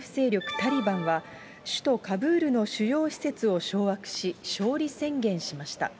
タリバンは、首都カブールの主要施設を掌握し、勝利宣言しました。